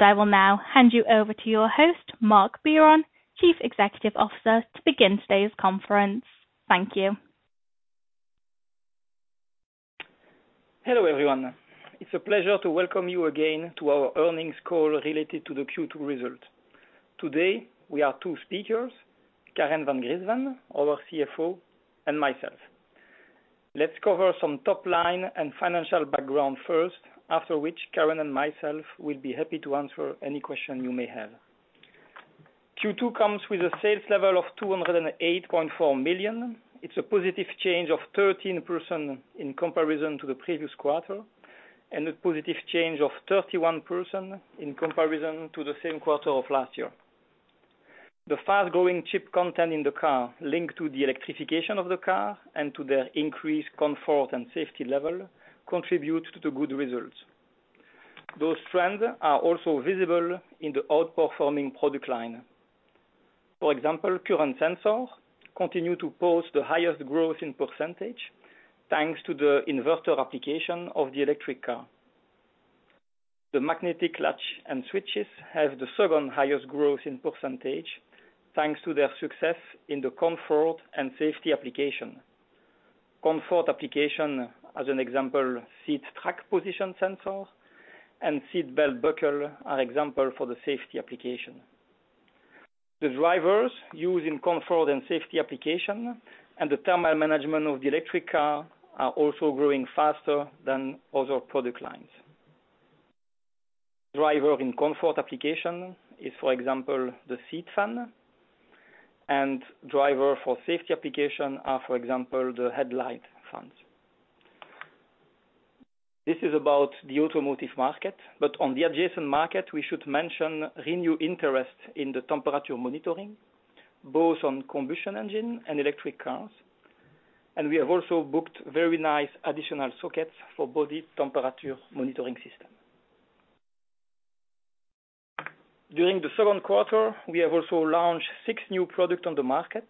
I will now hand you over to your host, Marc Biron, Chief Executive Officer, to begin today's conference. Thank you. Hello, everyone. It's a pleasure to welcome you again to our earnings call related to the Q2 result. Today, we have two speakers, Karen Van Griensven, our CFO, and myself. Let's cover some top line and financial background first, after which Karen and myself will be happy to answer any question you may have. Q2 comes with a sales level of 208.4 million. It's a positive change of 13% in comparison to the previous quarter, and a positive change of 31% in comparison to the same quarter of last year. The fast-growing chip content in the car linked to the electrification of the car and to the increased comfort and safety level contributes to the good results. Those trends are also visible in the outperforming product line. For example, current sensors continue to pose the highest growth in percentage, thanks to the inverter application of the electric car. The magnetic latch and switches have the second highest growth in percentage, thanks to their success in the comfort and safety applications. Comfort applications as an example, seat track position sensor and seat belt buckle are examples for the safety applications. The drivers used in comfort and safety applications and the thermal management of the electric car are also growing faster than other product lines. Drivers in comfort applications are, for example, the seat fan. Drivers for safety applications are, for example, the headlight fans. This is about the automotive market. On the adjacent market, we should mention renewed interest in the temperature monitoring, both on combustion engines and electric cars. We have also booked very nice additional sockets for battery temperature monitoring system. During the second quarter, we have also launched six new products on the market,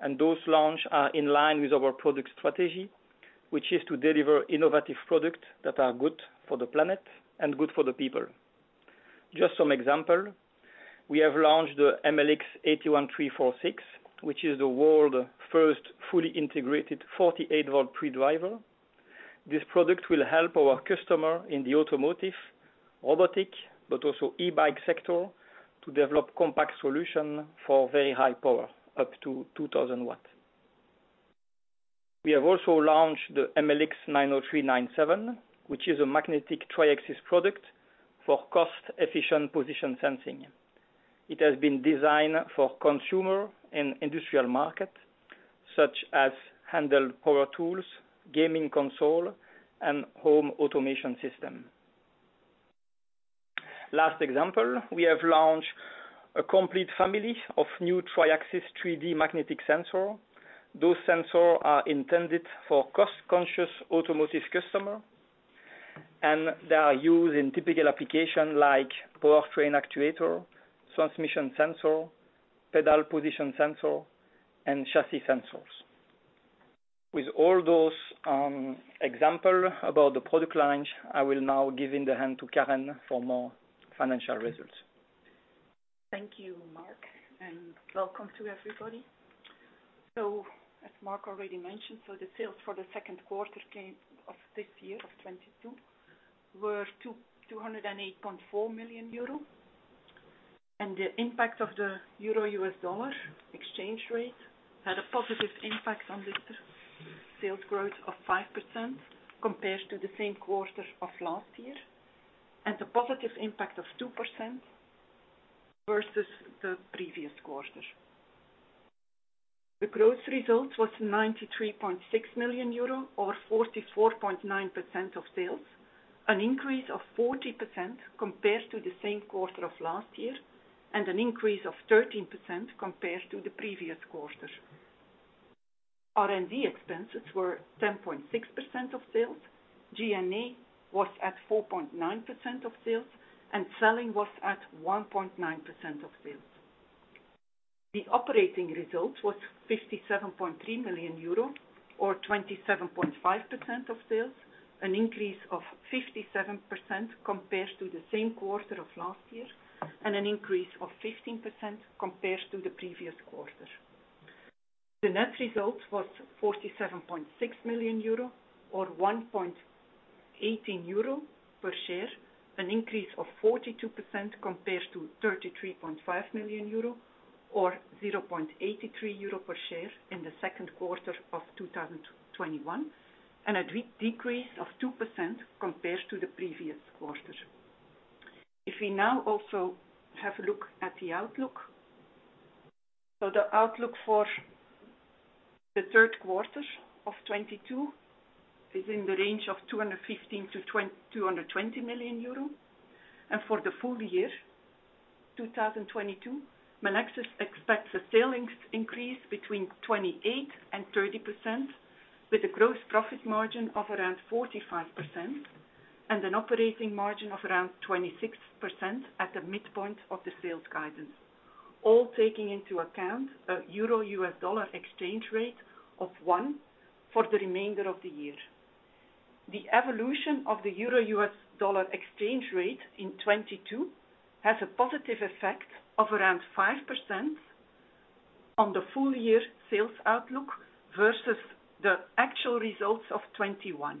and those launches are in line with our product strategy, which is to deliver innovative products that are good for the planet and good for the people. Just some examples, we have launched the MLX81346, which is the world's first fully integrated 48V pre-driver. This product will help our customers in the automotive, robotics, but also e-bike sectors, to develop compact solutions for very high power, up to 2000 watts. We have also launched the MLX90397, which is a magnetic Triaxis product for cost-efficient position sensing. It has been designed for consumer and industrial markets, such as handheld power tools, gaming consoles, and home automation systems. Last example, we have launched a complete family of new Triaxis 3D magnetic sensors. Those sensors are intended for cost-conscious automotive customers, and they are used in typical applications like powertrain actuator, transmission sensor, pedal position sensor, and chassis sensors. With all those examples about the product launch, I will now give the hand to Karen for more financial results. Thank you, Marc, and welcome to everybody. As Marc already mentioned, the sales for the second quarter of this year, of 2022, were 208.4 million euro. The impact of the euro-US dollar exchange rate had a positive impact on the sales growth of 5% compared to the same quarter of last year, and a positive impact of 2% versus the previous quarter. The gross result was 93.6 million euro or 44.9% of sales, an increase of 40% compared to the same quarter of last year, and an increase of 13% compared to the previous quarter. R&D expenses were 10.6% of sales. G&A was at 4.9% of sales, and selling was at 1.9% of sales. The operating result was 57.3 million euro, or 27.5% of sales, an increase of 57% compared to the same quarter of last year, and an increase of 15% compared to the previous quarter. The net result was 47.6 million euro or 1.18 euro per share, an increase of 42% compared to 33.5 million euro or 0.83 euro per share in the second quarter of 2021, and a decrease of 2% compared to the previous quarter. If we now also have a look at the outlook. The outlook for the third quarter of 2022 is in the range of 215-220 million euro. For the full year 2022, Melexis expects a sales increase between 28% and 30% with a gross profit margin of around 45% and an operating margin of around 26% at the midpoint of the sales guidance. All taking into account a euro-US dollar exchange rate of 1 for the remainder of the year. The evolution of the euro-US dollar exchange rate in 2022 has a positive effect of around 5% on the full year sales outlook versus the actual results of 2021.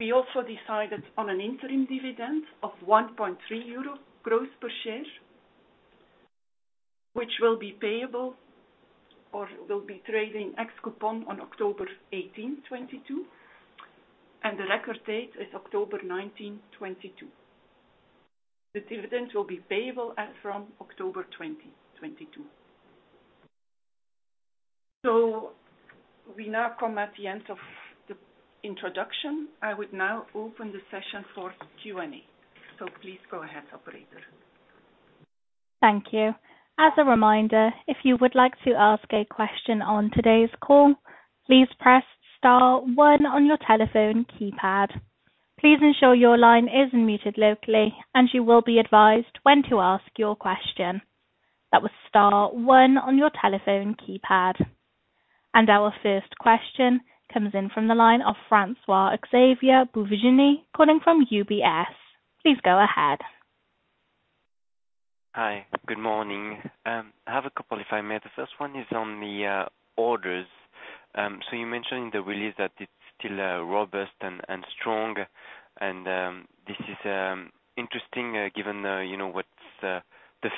We also decided on an interim dividend of 1.3 euro gross per share, which will be payable or will be trading ex-coupon on October 18, 2022, and the record date is October 19, 2022. The dividends will be payable as from October 20, 2022. We now come at the end of the introduction. I would now open the session for Q&A. Please go ahead, operator. Thank you. As a reminder, if you would like to ask a question on today's call, please press star one on your telephone keypad. Please ensure your line is muted locally and you will be advised when to ask your question. That was star one on your telephone keypad. Our first question comes in from the line of François-Xavier Bouvignies, calling from UBS. Please go ahead. Hi. Good morning. I have a couple if I may. The first one is on the orders. You mentioned the release that it's still robust and strong, and this is interesting given you know what's the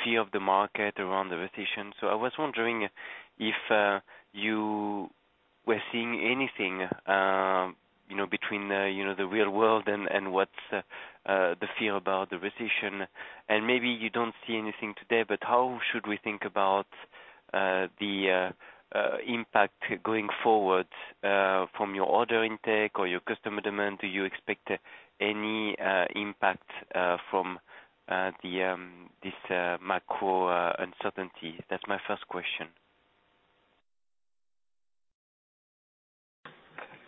feel of the market around the recession. I was wondering if you were seeing anything you know between you know the real world and what's the fear about the recession. Maybe you don't see anything today, but how should we think about the impact going forward from your order intake or your customer demand? Do you expect any impact from this macro uncertainty? That's my first question.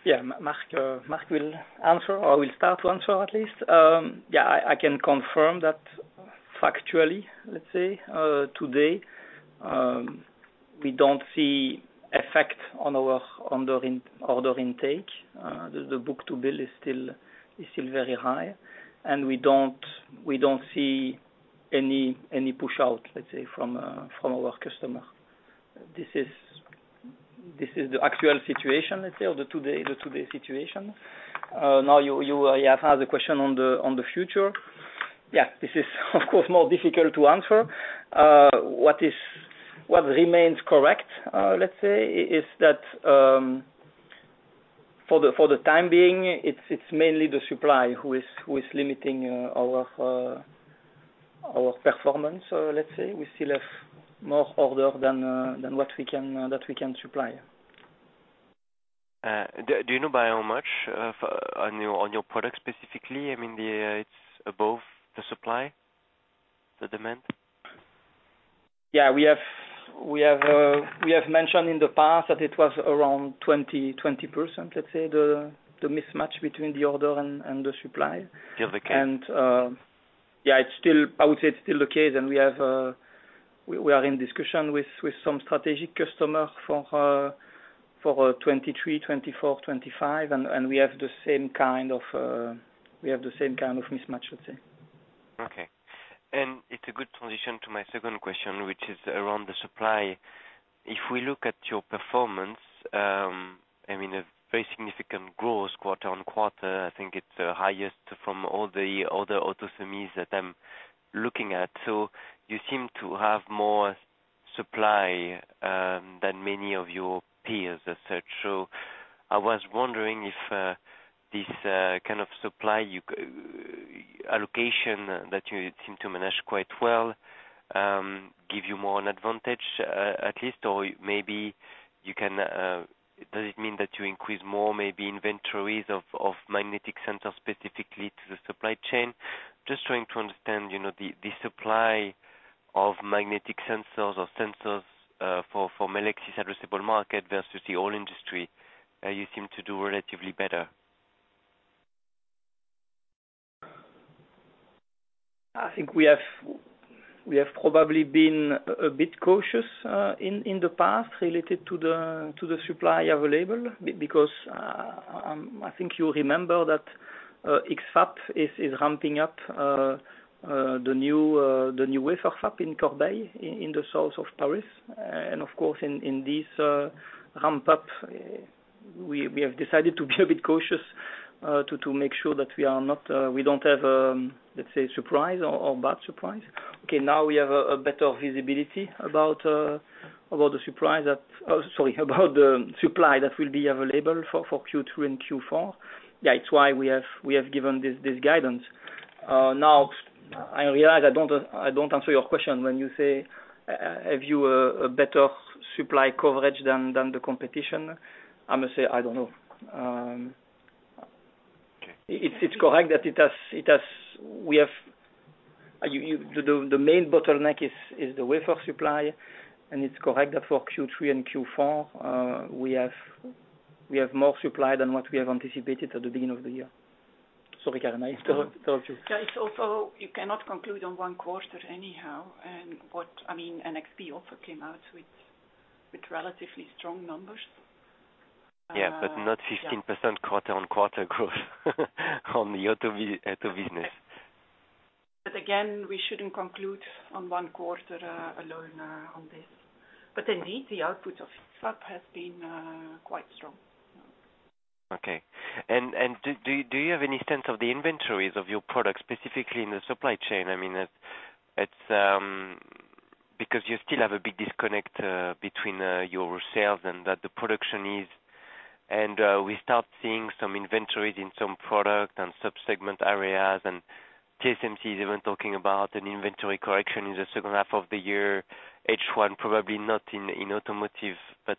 Yeah. Marc will answer, or will start to answer at least. Yeah, I can confirm that factually, let's say, today, we don't see effect on our order intake. The book to bill is still very high, and we don't see any push out, let's say, from our customer. This is the actual situation, let's say, or the today situation. Now, you have asked the question on the future. Yeah, this is of course more difficult to answer. What remains correct, let's say, is that, for the time being, it's mainly the supply who is limiting our performance, let's say. We still have more orders than we can supply. Do you know by how much for on your products specifically? I mean, it's above the supply, the demand? We have mentioned in the past that it was around 20%, let's say, the mismatch between the order and the supply. Still the case? Yeah, it's still I would say it's still the case, and we are in discussion with some strategic customer for 2023, 2024, 2025, and we have the same kind of mismatch, let's say. Okay. It's a good transition to my second question, which is around the supply. If we look at your performance, I mean, a very significant growth quarter on quarter, I think it's the highest from all the other auto semis that I'm looking at. You seem to have more supply than many of your peers as such. I was wondering if this kind of supply allocation that you seem to manage quite well give you more an advantage, at least or maybe you can, does it mean that you increase more maybe inventories of magnetic sensors specifically to the supply chain? Just trying to understand, you know, the supply of magnetic sensors or sensors for Melexis addressable market versus the overall industry, you seem to do relatively better. I think we have probably been a bit cautious in the past related to the supply available because I think you remember that X-Fab is ramping up the new wafer fab in Corbeil in the south of Paris. Of course in this ramp up we have decided to be a bit cautious to make sure that we don't have let's say surprise or bad surprise. Okay now we have a better visibility about the supply that will be available for Q2 and Q4. Yeah it's why we have given this guidance. Now, I realize I don't answer your question when you say, have you a better supply coverage than the competition? I must say, I don't know. Okay. It's correct that it has. The main bottleneck is the wafer supply, and it's correct that for Q3 and Q4, we have more supply than what we have anticipated at the beginning of the year. Sorry, Karen Van Griensven, I stole you. Yeah, it's also, you cannot conclude on one quarter anyhow. I mean, NXP also came out with relatively strong numbers. Yeah, not 15% quarter-on-quarter growth on the auto business. Again, we shouldn't conclude on one quarter alone on this. Indeed, the output of FAB has been quite strong. Okay. Do you have any sense of the inventories of your products, specifically in the supply chain? I mean, it's because you still have a big disconnect between your sales and the production needs. We start seeing some inventories in some product and sub-segment areas. TSMC is even talking about an inventory correction in the second half of the year. H1 probably not in automotive, but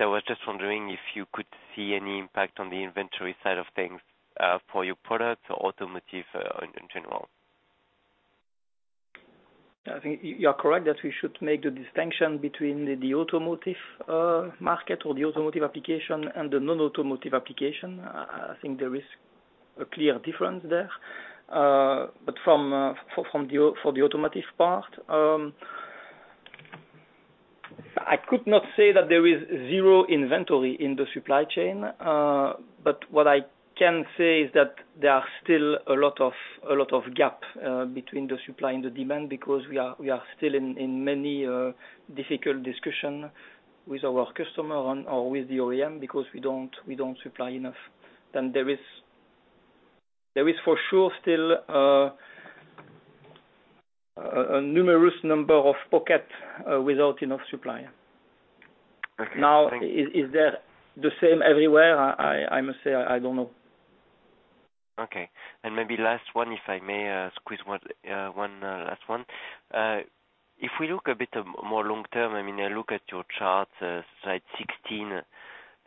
I was just wondering if you could see any impact on the inventory side of things, for your products or automotive in general. I think you are correct that we should make the distinction between the automotive market or the automotive application and the non-automotive application. I think there is a clear difference there. For the automotive part, I could not say that there is zero inventory in the supply chain. What I can say is that there are still a lot of gap between the supply and the demand because we are still in many difficult discussion with our customer and/or with the OEM because we don't supply enough. There is for sure still a numerous number of pockets without enough supply. Okay. Now, is there the same everywhere? I must say, I don't know. Okay. Maybe last one if I may, squeeze one last one. If we look a bit more long-term, I mean, I look at your charts, slide 16,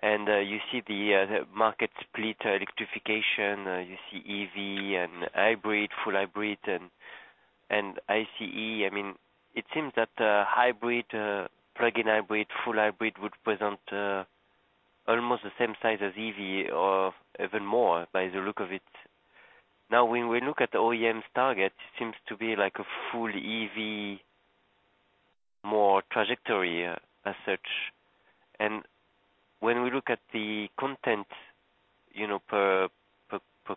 and you see the market split electrification, you see EV and hybrid, full hybrid and ICE. I mean, it seems that hybrid, plug-in hybrid, full hybrid would present almost the same size as EV or even more by the look of it. Now, when we look at the OEMs target, it seems to be like a full EV more trajectory as such. When we look at the content, you know, per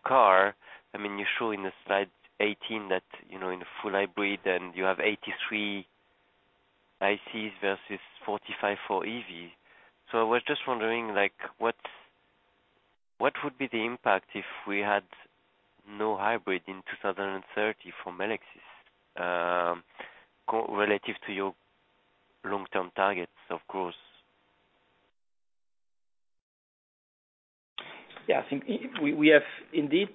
car, I mean, you show in the slide 18 that, you know, in the full hybrid and you have 83 ICEs versus 45 for EV. I was just wondering, like, what would be the impact if we had no hybrid in 2030 for Melexis, relative to your long-term targets, of course? Yeah, I think we have indeed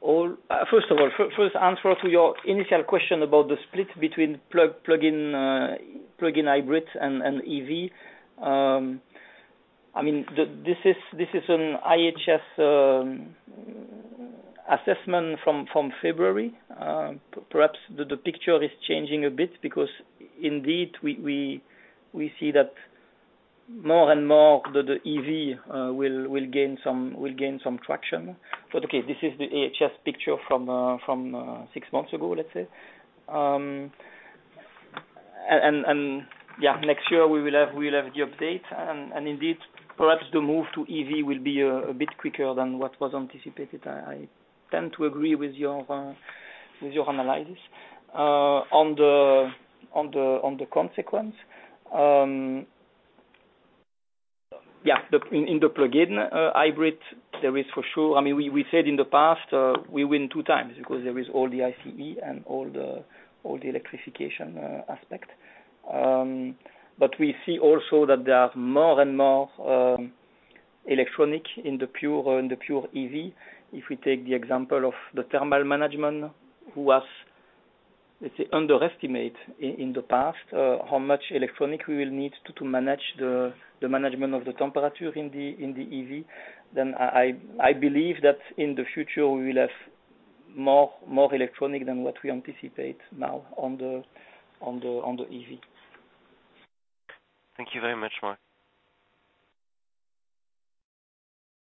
all. First of all, first answer to your initial question about the split between plug-in hybrids and EV. I mean, this is an IHS assessment from February. Perhaps the picture is changing a bit because indeed we see that more and more the EV will gain some traction. Okay, this is the IHS picture from six months ago, let's say. Yeah, next year we will have the update and indeed perhaps the move to EV will be a bit quicker than what was anticipated. I tend to agree with your analysis. On the consequence. Yeah, in the plug-in hybrid there is for sure. I mean, we said in the past we win two times because there is all the ICE and all the electrification aspect. We see also that there are more and more electronics in the pure EV. If we take the example of the thermal management, which has, let's say, underestimated in the past how much electronics we will need to manage the management of the temperature in the EV, then I believe that in the future we will have more electronics than what we anticipate now on the EV. Thank you very much, Marc.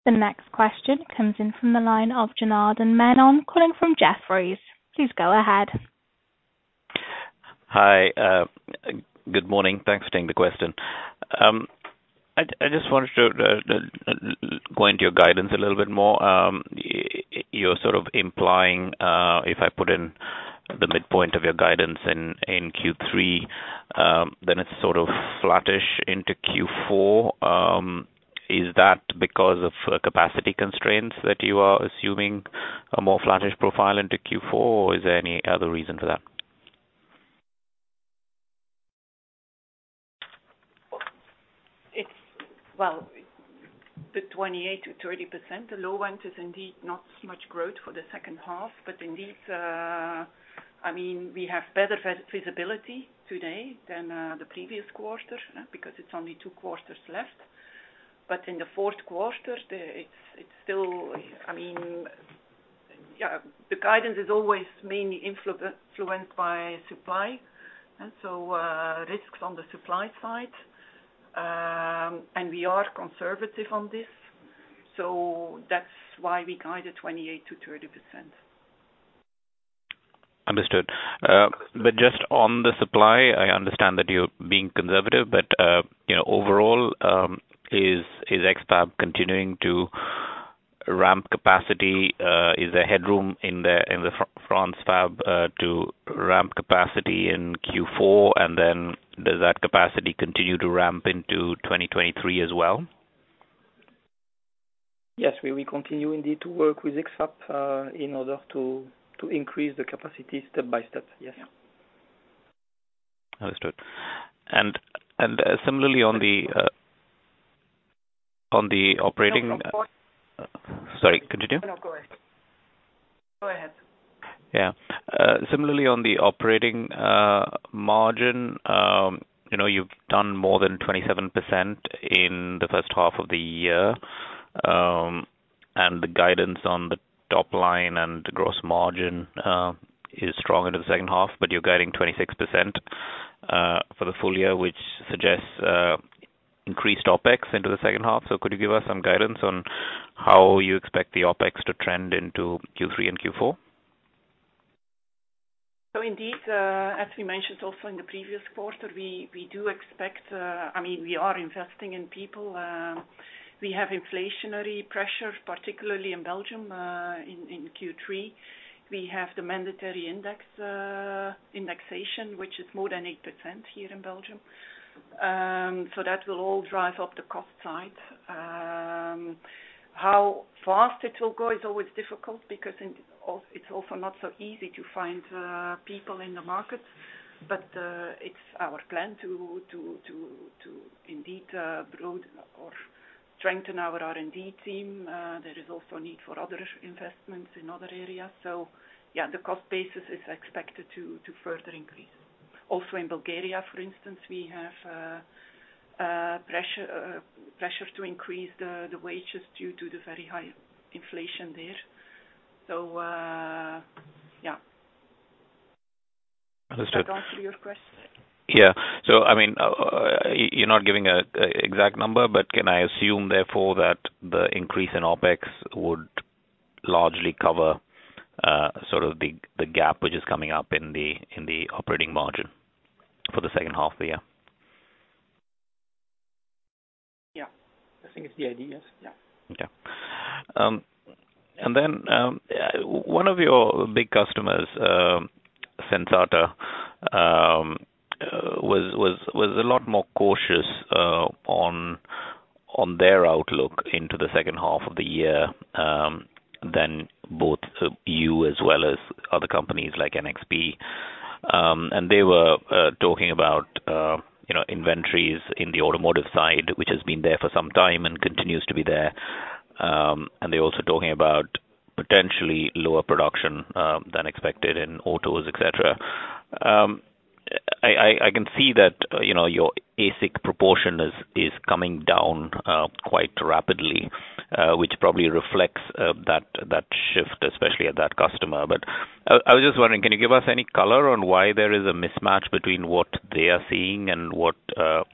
The next question comes in from the line of Janardan Menon calling from Jefferies. Please go ahead. Hi. Good morning. Thanks for taking the question. I just wanted to go into your guidance a little bit more. You're sort of implying if I put in the midpoint of your guidance in Q3, then it's sort of flattish into Q4. Is that because of capacity constraints that you are assuming a more flattish profile into Q4, or is there any other reason for that? Well, the 28%-30%, the low end is indeed not much growth for the second half. Indeed, I mean, we have better visibility today than the previous quarter, because it's only two quarters left. In the fourth quarter, it's still, I mean, yeah, the guidance is always mainly influenced by supply, and so risks on the supply side. We are conservative on this, so that's why we guided 28%-30%. Understood. Just on the supply, I understand that you're being conservative, but you know, overall, is X-Fab continuing to ramp capacity? Is there headroom in the France fab to ramp capacity in Q4? Does that capacity continue to ramp into 2023 as well? Yes, we will continue indeed to work with X-Fab in order to increase the capacity step by step. Yes. Yeah. Understood. Similarly on the operating. No, go ahead. Sorry, continue. No, go ahead. Go ahead. Yeah. Similarly on the operating margin, you know, you've done more than 27% in the first half of the year, and the guidance on the top line and the gross margin is strong into the second half, but you're guiding 26% for the full year, which suggests increased OpEx into the second half. Could you give us some guidance on how you expect the OpEx to trend into Q3 and Q4? Indeed, as we mentioned also in the previous quarter, we do expect, I mean we are investing in people. We have inflationary pressure, particularly in Belgium, in Q3. We have the mandatory indexation, which is more than 8% here in Belgium. That will all drive up the cost side. How fast it will go is always difficult because it's also not so easy to find people in the market. It's our plan to indeed grow or strengthen our R&D team. There is also a need for other investments in other areas. Yeah, the cost basis is expected to further increase. Also in Bulgaria, for instance, we have a pressure to increase the wages due to the very high inflation there. Yeah. Understood. Does that answer your question? Yeah. I mean, you're not giving a exact number, but can I assume therefore that the increase in OpEx would largely cover, sort of the gap which is coming up in the operating margin for the second half of the year? Yeah. I think it's the idea, yeah. One of your big customers, Sensata, was a lot more cautious on their outlook into the second half of the year than both you as well as other companies like NXP. They were talking about you know, inventories in the automotive side, which has been there for some time and continues to be there. They're also talking about potentially lower production than expected in autos, et cetera. I can see that you know, your ASIC proportion is coming down quite rapidly, which probably reflects that shift, especially at that customer. I was just wondering, can you give us any color on why there is a mismatch between what they are seeing and what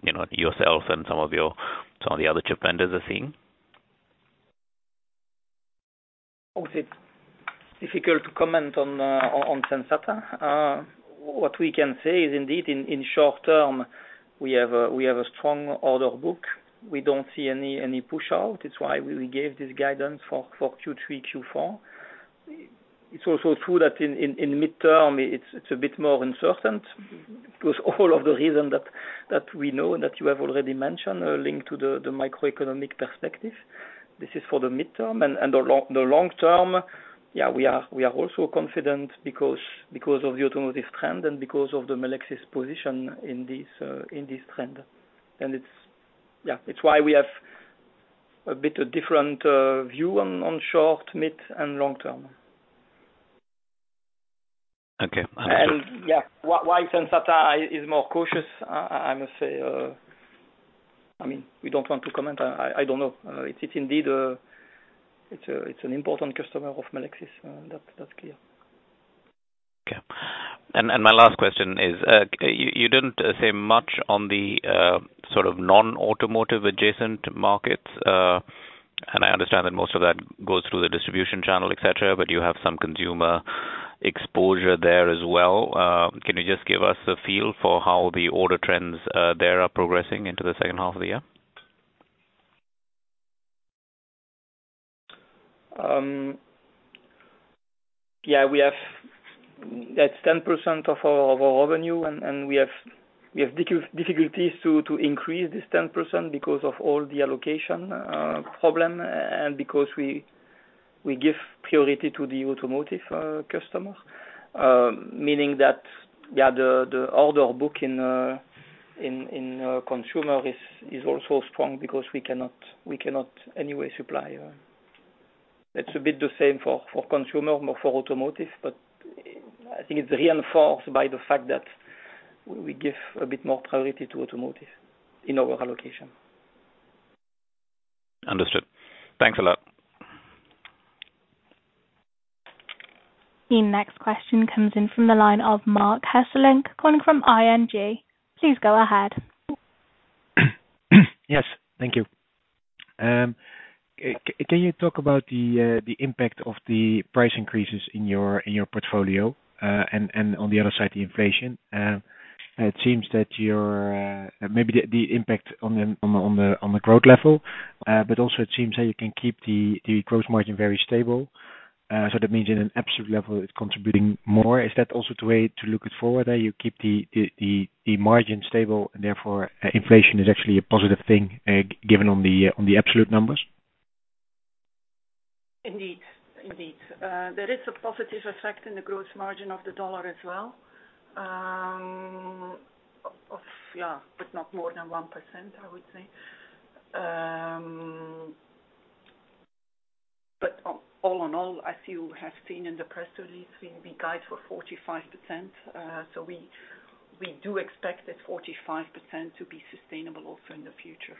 you know, yourself and some of the other chip vendors are seeing? Well, it's difficult to comment on Sensata. What we can say is indeed in short term, we have a strong order book. We don't see any push out. It's why we gave this guidance for Q3, Q4. It's also true that in the medium term it's a bit more uncertain because all of the reasons that we know and that you have already mentioned are linked to the macroeconomic perspective. This is for the medium term. The long term, yeah, we are also confident because of the automotive trend and because of the Melexis position in this trend. It's why we have a bit of different view on short, mid, and long term. Okay. Understood. Yeah, why Sensata is more cautious, I don't know. It's indeed an important customer of Melexis, that's clear. Okay. My last question is you didn't say much on the sort of non-automotive adjacent markets. I understand that most of that goes through the distribution channel, et cetera, but you have some consumer exposure there as well. Can you just give us a feel for how the order trends there are progressing into the second half of the year? We have that's 10% of our revenue and we have difficulties to increase this 10% because of all the allocation problem and because we give priority to the automotive customer. Meaning that the order book in consumer is also strong because we cannot anyway supply. It's a bit the same for consumer, more for automotive, but I think it's reinforced by the fact that we give a bit more priority to automotive in our allocation. Understood. Thanks a lot. The next question comes in from the line of Marc Hesselink, calling from ING. Please go ahead. Yes, thank you. Can you talk about the impact of the price increases in your portfolio, and on the other side, the inflation. Maybe the impact on the growth level, but also it seems that you can keep the gross margin very stable. That means in an absolute level, it's contributing more. Is that also the way to look at it going forward, that you keep the margin stable, and therefore, inflation is actually a positive thing, given the absolute numbers? Indeed. There is a positive effect on the gross margin of the US dollar as well. Not more than 1%, I would say. All in all, as you have seen in the press release, we guide for 45%. We do expect that 45% to be sustainable also in the future.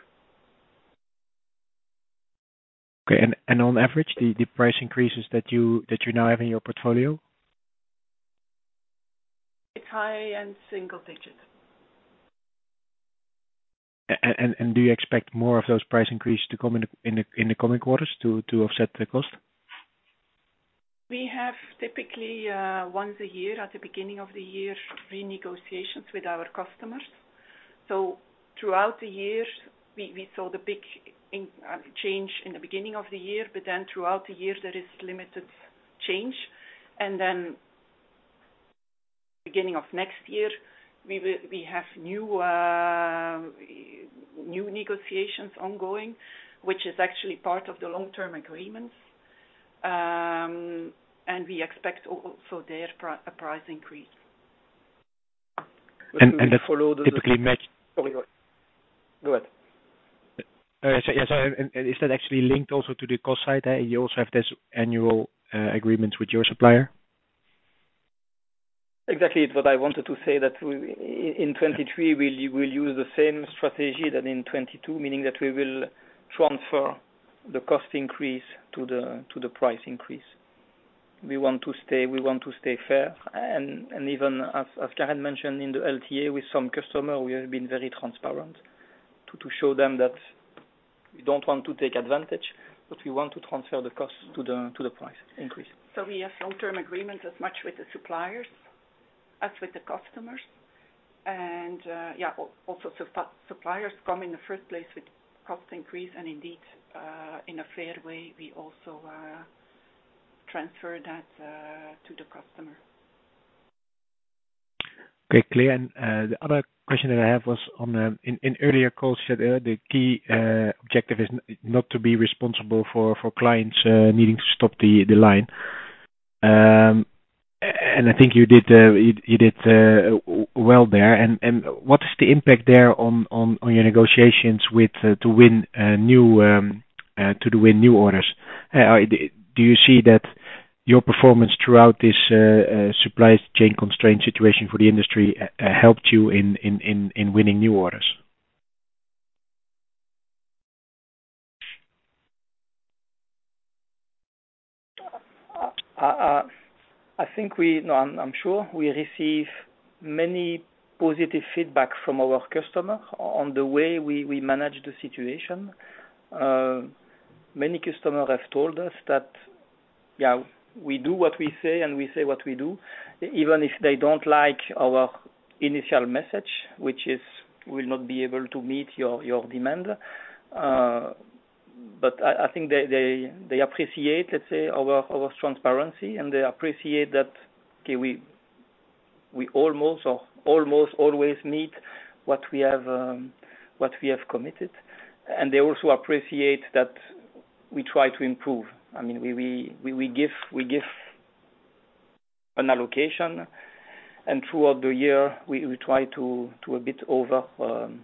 Okay. On average, the price increases that you now have in your portfolio? It's high single digit. Do you expect more of those price increases to come in the coming quarters to offset the cost? We have typically once a year at the beginning of the year, renegotiations with our customers. Throughout the year, we saw the big increase in the beginning of the year, but then throughout the year, there is limited change. Beginning of next year, we have new negotiations ongoing, which is actually part of the long-term agreements. We expect also a price increase. That typically match- Sorry, go ahead. Go ahead. Yes, is that actually linked also to the cost side? You also have this annual agreement with your supplier? Exactly. What I wanted to say that in 2023 we'll use the same strategy as in 2022, meaning that we will transfer the cost increase to the price increase. We want to stay fair. Even as Karen mentioned in the LTA with some customer, we have been very transparent to show them that we don't want to take advantage, but we want to transfer the cost to the price increase. We have long-term agreements as much with the suppliers as with the customers. Also suppliers come in the first place with cost increase, and indeed, in a fair way, we also transfer that to the customer. Okay, clear. The other question that I have was in earlier calls, you said the key objective is not to be responsible for clients needing to stop the line. I think you did well there. What is the impact there on your negotiations with to win new orders? Do you see that your performance throughout this supply chain constraint situation for the industry helped you in winning new orders? I'm sure we receive many positive feedback from our customers on the way we manage the situation. Many customers have told us that, yeah, we do what we say, and we say what we do, even if they don't like our initial message, which is, we'll not be able to meet your demand. I think they appreciate, let's say, our transparency, and they appreciate that, okay, we almost always meet what we have committed. They also appreciate that we try to improve. I mean, we give an allocation, and throughout the year, we try to a bit overproduce,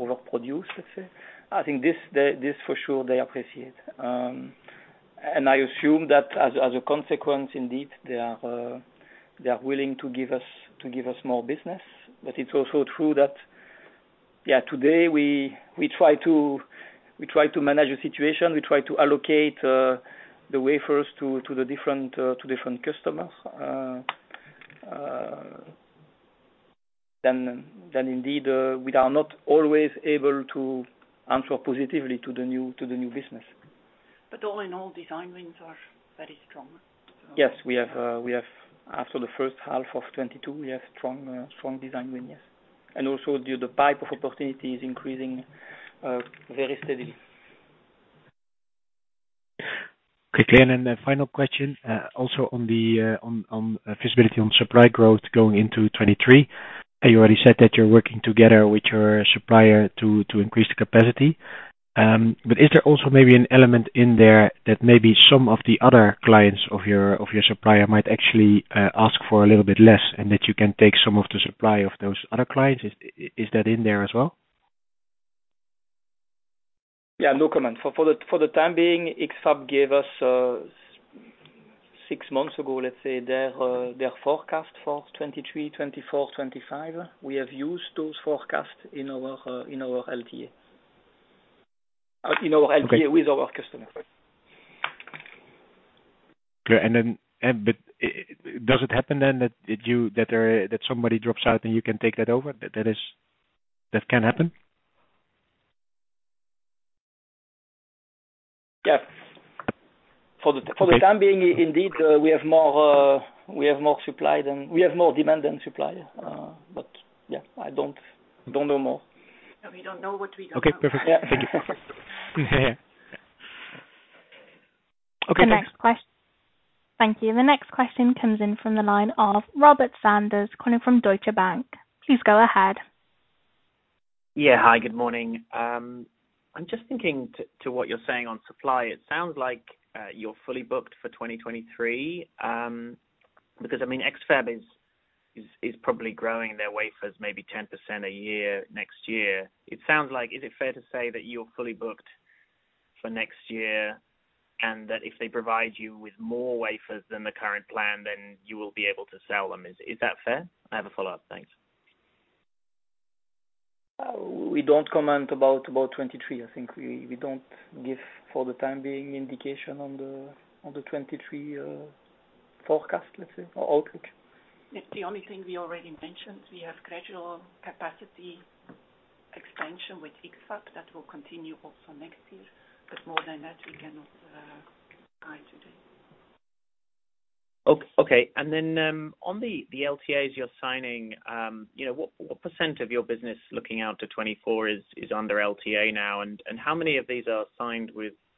let's say. I think this for sure they appreciate. I assume that as a consequence, indeed, they are willing to give us more business. It's also true that today we try to manage the situation, we try to allocate the wafers to the different customers. Indeed, we are not always able to answer positively to the new business. All in all, design wins are very strong. Yes, we have after the first half of 2022, we have strong design wins, yes. Also, the pipeline of opportunities is increasing very steadily. Okay. Then the final question, also on the visibility on supply growth going into 2023. You already said that you're working together with your supplier to increase the capacity. Is there also maybe an element in there that maybe some of the other clients of your supplier might actually ask for a little bit less, and that you can take some of the supply of those other clients? Is that in there as well? Yeah, no comment. For the time being, X-Fab gave us six months ago, let's say, their forecast for 2023, 2024, 2025. We have used those forecasts in our LTA. Okay. with our customer. Clear. Does it happen then that somebody drops out and you can take that over? That can happen? Yes. For the time being, indeed, we have more demand than supply. Yeah, I don't know more. No, we don't know what we don't know. Okay, perfect. Thank you. Okay, thanks. Thank you. The next question comes in from the line of Robert Sanders calling from Deutsche Bank. Please go ahead. Yeah. Hi, good morning. I'm just thinking to what you're saying on supply. It sounds like you're fully booked for 2023. Because I mean, X-Fab is probably growing their wafers maybe 10% a year next year. It sounds like. Is it fair to say that you're fully booked for next year, and that if they provide you with more wafers than the current plan, then you will be able to sell them? Is that fair? I have a follow-up. Thanks. We don't comment about 2023. I think we don't give, for the time being, indication on the 2023 forecast, let's say, or outlook. It's the only thing we already mentioned. We have gradual capacity expansion with X-Fab that will continue also next year. More than that, we cannot guide today. Okay. On the LTAs you're signing, you know, what percent of your business looking out to 2024 is under LTA now, and how many of these are signed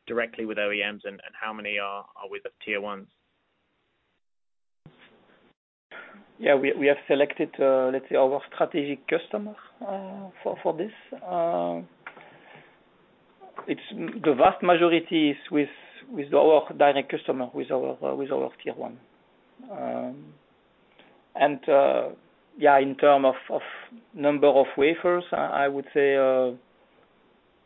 directly with OEMs and how many are with the tier ones? Yeah. We have selected, let's say, our strategic customer for this. It's the vast majority is with our direct customer, with our tier one. In terms of number of wafers, I would say,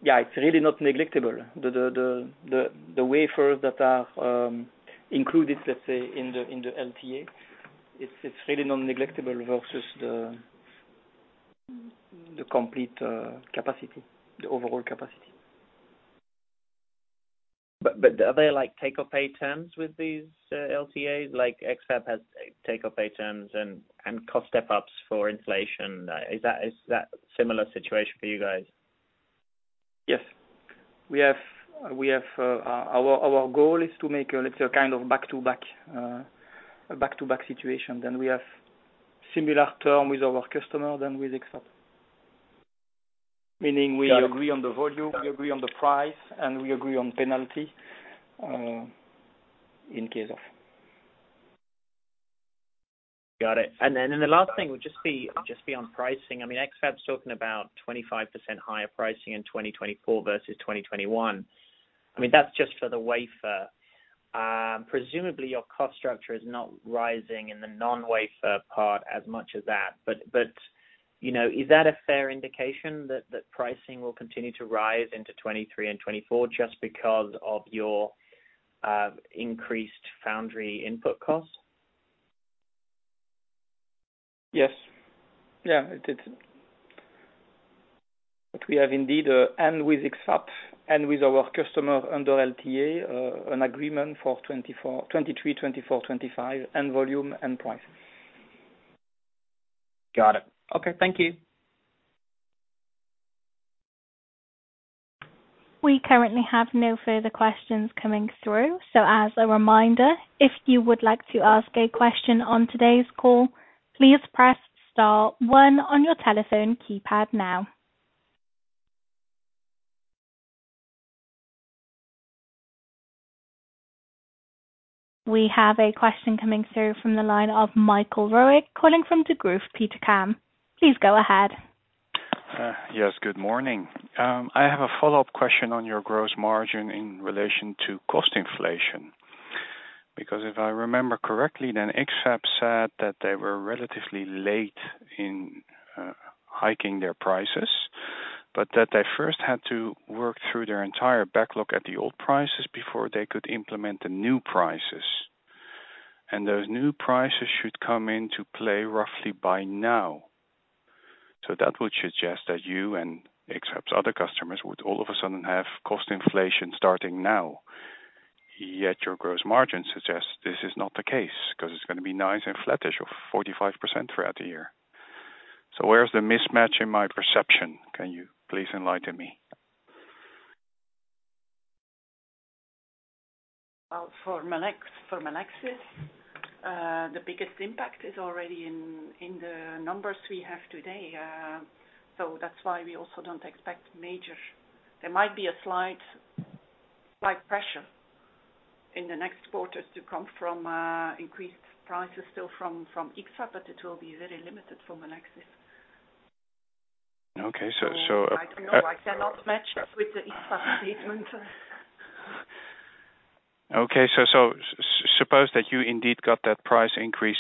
yeah, it's really not negligible. The wafers that are included, let's say, in the LTA, it's really non-negligible versus the complete capacity, the overall capacity. Are there like take-or-pay terms with these LTAs, like X-Fab has take-or-pay terms and cost step-ups for inflation? Is that similar situation for you guys? Yes. We have our goal is to make a little kind of back-to-back situation. We have similar term with our customer than with X-Fab. Meaning we agree on the volume, we agree on the price, and we agree on penalty in case of. Got it. The last thing would just be on pricing. I mean, X-Fab's talking about 25% higher pricing in 2024 versus 2021. I mean, that's just for the wafer. Presumably your cost structure is not rising in the non-wafer part as much as that. You know, is that a fair indication that pricing will continue to rise into 2023 and 2024 just because of your increased foundry input costs? Yes. Yeah, it is. We have indeed, and with X-Fab, and with our customer under LTA, an agreement for 2023, 2024, 2025, and volume and price. Got it. Okay, thank you. We currently have no further questions coming through. As a reminder, if you would like to ask a question on today's call, please press star one on your telephone keypad now. We have a question coming through from the line of Michael Roeg, calling from Degroof Petercam. Please go ahead. Yes, good morning. I have a follow-up question on your gross margin in relation to cost inflation. Because if I remember correctly, X-Fab said that they were relatively late in hiking their prices, but that they first had to work through their entire backlog at the old prices before they could implement the new prices. Those new prices should come into play roughly by now. That would suggest that you and e.g. other customers would all of a sudden have cost inflation starting now. Yet your gross margin suggests this is not the case, 'cause it's gonna be nice and flattish at 45% throughout the year. Where's the mismatch in my perception? Can you please enlighten me? Well, for Melexis, the biggest impact is already in the numbers we have today. That's why we also don't expect major. There might be a slight pressure in the next quarters to come from increased prices still from X-Fab, but it will be very limited for Melexis. Okay. I don't know. I cannot match with the X-Fab statement. Suppose that you indeed got that price increase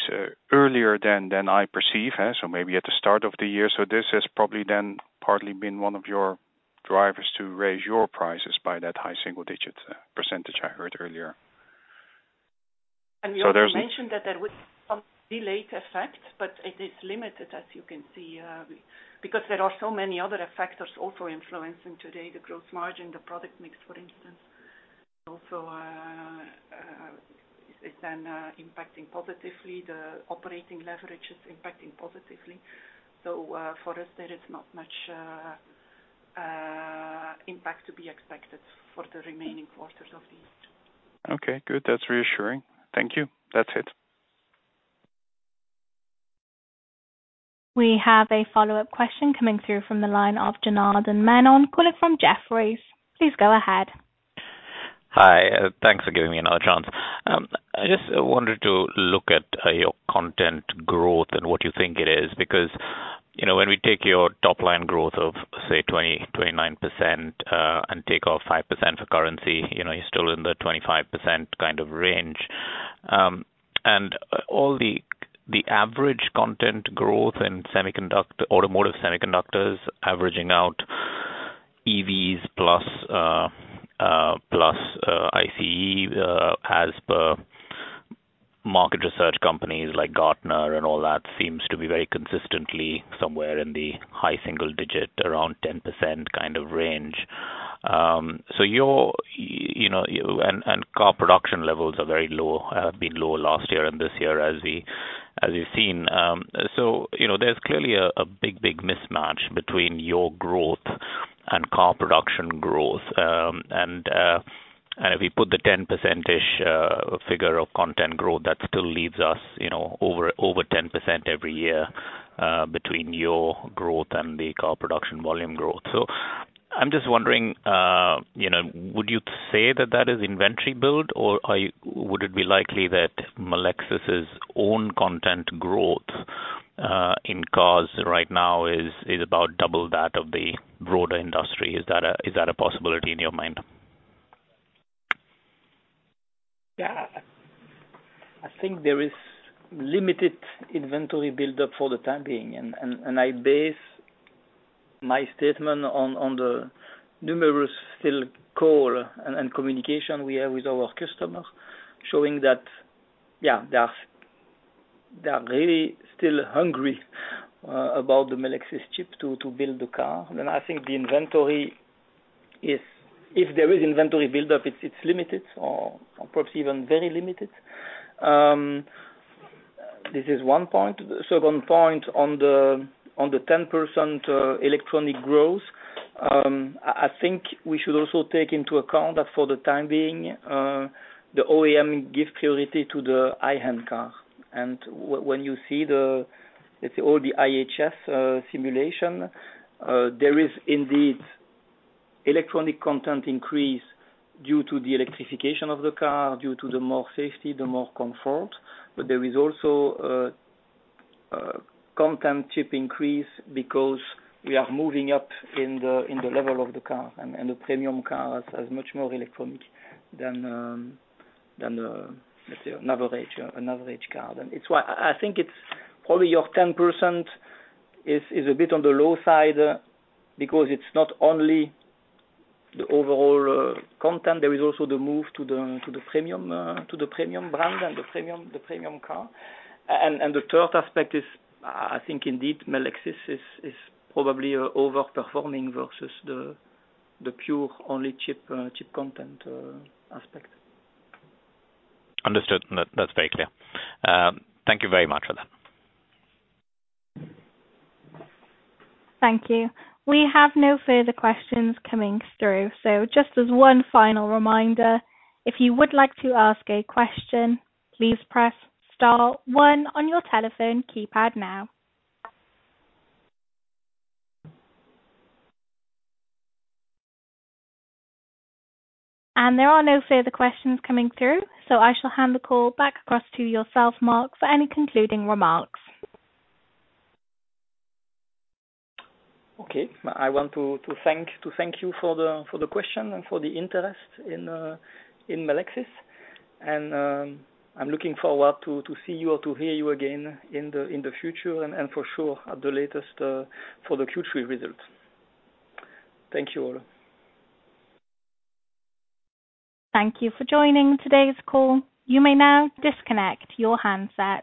earlier than I perceive. Maybe at the start of the year. This has probably then partly been one of your drivers to raise your prices by that high single-digit percentage I heard earlier. We also mentioned that there would be some delayed effect, but it is limited as you can see, because there are so many other factors also influencing today, the growth margin, the product mix, for instance, also, is then impacting positively. The operating leverage is impacting positively. For us, there is not much impact to be expected for the remaining quarters of the year. Okay, good. That's reassuring. Thank you. That's it. We have a follow-up question coming through from the line of Janardan Menon calling from Jefferies. Please go ahead. Hi. Thanks for giving me another chance. I just wanted to look at your content growth and what you think it is. Because, you know, when we take your top line growth of, say, 29%, and take off 5% for currency, you know, you're still in the 25% kind of range. The average content growth in semiconductors, automotive semiconductors averaging out EVs plus ICE, as per market research companies like Gartner and all that seems to be very consistently somewhere in the high single digit, around 10% kind of range. Your you know and car production levels are very low, a bit lower last year and this year as we've seen. There's clearly a big mismatch between your growth and car production growth. If we put the 10%-ish figure of content growth, that still leaves us, you know, over 10% every year between your growth and the car production volume growth. I'm just wondering, you know, would you say that is inventory build or would it be likely that Melexis' own content growth in cars right now is about double that of the broader industry? Is that a possibility in your mind? Yeah. I think there is limited inventory buildup for the time being. I base my statement on the numerous field call and communication we have with our customers, showing that, yeah, they are really still hungry about the Melexis chip to build the car. I think the inventory is. If there is inventory buildup, it's limited or perhaps even very limited. This is one point. The second point on the 10% electronic growth, I think we should also take into account that for the time being, the OEM give priority to the ICE car. When you see the, let's say, all the IHS simulation, there is indeed electronic content increase due to the electrification of the car, due to the more safety, the more comfort. There is also chip content increase because we are moving up in the level of the car, and the premium car has much more electronics than, let's say, an average car. That's why I think it's probably your 10% is a bit on the low side because it's not only the overall content, there is also the move to the premium brand and the premium car. The third aspect is, I think indeed Melexis is probably over-performing versus the pure chip content aspect. Understood. That, that's very clear. Thank you very much for that. Thank you. We have no further questions coming through. Just as one final reminder, if you would like to ask a question, please press star one on your telephone keypad now. There are no further questions coming through, so I shall hand the call back across to yourself, Marc, for any concluding remarks. Okay. I want to thank you for the question and for the interest in Melexis. I'm looking forward to see you or to hear you again in the future and for sure at the latest for the Q3 results. Thank you all. Thank you for joining today's call. You may now disconnect your handsets.